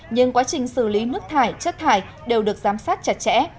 nhưng quá trình xử lý nước thải chất thải đều được giám sát chặt chẽ